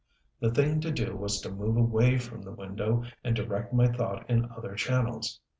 The thing to do was to move away from the window and direct my thought in other channels.